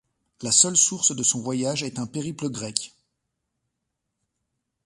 La seule source de son voyage est un périple grec.